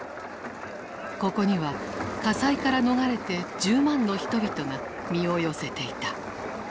ここには火災から逃れて１０万の人々が身を寄せていた。